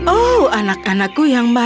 oh anak anakku yang baik